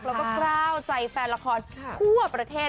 แล้วก็กล้าวใจแฟนละครทั่วประเทศ